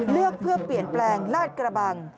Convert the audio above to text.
เลือกเพื่อเปลี่ยนแปลงลาดกระบัง